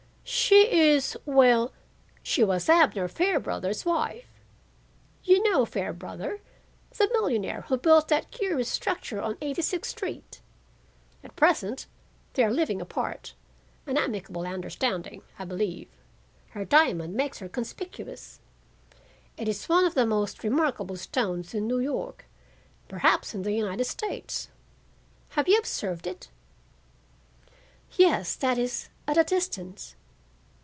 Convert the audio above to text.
"She is—well, she was Abner Fairbrother's wife. You know Fairbrother, the millionaire who built that curious structure on Eighty sixth Street. At present they are living apart—an amicable understanding, I believe. Her diamond makes her conspicuous. It is one of the most remarkable stones in New York, perhaps in the United States. Have you observed it?" "Yes—that is, at a distance.